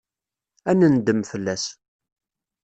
Ad nendem fell-as.